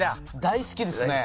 大好きですね。